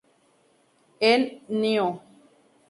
En "Neu!